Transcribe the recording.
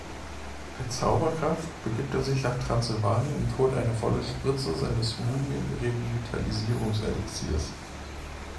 Per Zauberkraft begibt er sich nach Transsylvanien und holt eine volle Spritze seines „Mumien-Revitalisierungs-Elixiers“.